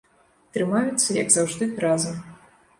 Трымаюцца, як заўжды, разам.